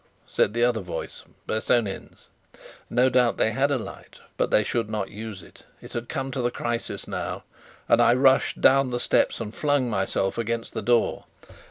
said the other voice Bersonin's. No doubt they had a light, but they should not use it. It was come to the crisis now, and I rushed down the steps and flung myself against the door.